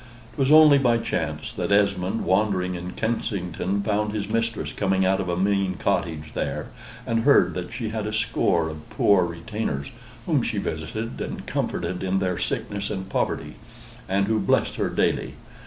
'Twas only by chance that Esmond, wandering in Kensington, found his mistress coming out of a mean cottage there, and heard that she had a score of poor retainers, whom she visited and comforted in their sickness and poverty, and who blessed her daily.